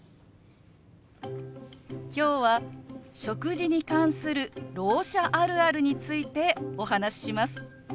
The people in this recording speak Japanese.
今日は食事に関するろう者あるあるについてお話しします。